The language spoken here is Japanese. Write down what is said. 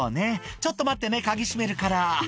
ちょっと待ってね、鍵閉めるから。